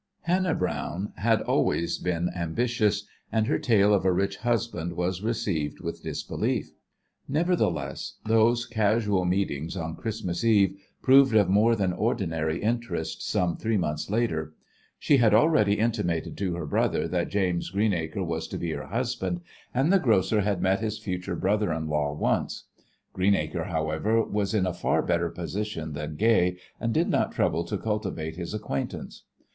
Hannah Browne had always been ambitious, and her tale of a rich husband was received with disbelief. Nevertheless, those casual meetings on Christmas Eve proved of more than ordinary interest some three months later. She had already intimated to her brother that James Greenacre was to be her husband, and the grocer had met his future brother in law once. Greenacre, however, was in a far better position than Gay, and did not trouble to cultivate his acquaintance.